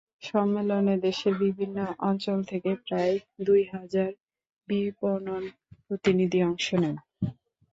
সম্মেলনে দেশের বিভিন্ন অঞ্চল থেকে প্রায় দুই হাজার বিপণন প্রতিনিধি অংশ নেন।